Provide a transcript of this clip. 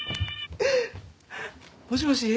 もしもし？